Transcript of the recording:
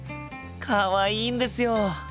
かわいいんですよ！